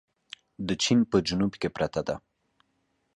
د چين په جنوب کې پرته ده.